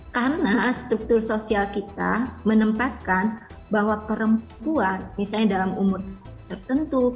karena struktur sosial kita menempatkan bahwa perempuan misalnya dalam umur tertentu